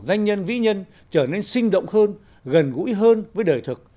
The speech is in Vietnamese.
doanh nhân vĩ nhân trở nên sinh động hơn gần gũi hơn với đời thực